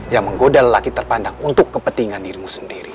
yang menggoda lelaki terpandang untuk kepentingan dirimu sendiri